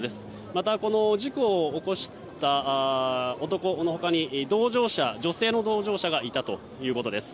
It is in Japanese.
また、この事故を起こした男の他に女性の同乗者がいたということです。